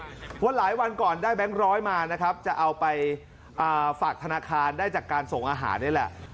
เพราะว่าหลายวันก่อนได้แบงค์ร้อยมานะครับจะเอาไปฝากธนาคารได้จากการส่งอาหารนี่แหละ